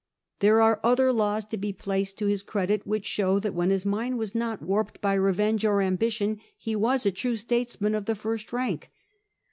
There are other laws to be placed to his credit which show that when his mind was not warped by revenge or ambition he was a true statesman of the first rank.